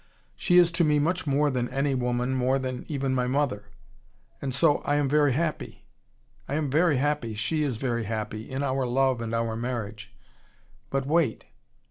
She is to me much more than any woman, more even than my mother. And so, I am very happy. I am very happy, she is very happy, in our love and our marriage. But wait.